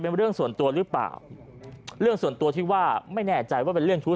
เป็นเรื่องส่วนตัวหรือเปล่าเรื่องส่วนตัวที่ว่าไม่แน่ใจว่าเป็นเรื่องชู้